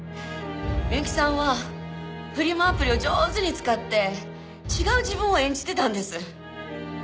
美由紀さんはフリマアプリを上手に使って違う自分を演じてたんです。